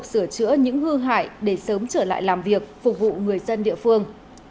sửa chữa những hư hại để sớm trở lại làm việc phục vụ người dân địa phương